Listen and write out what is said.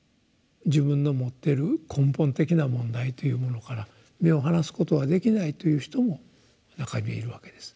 自分の持ってる根本的な問題というものから目を離すことはできないという人も中にはいるわけです。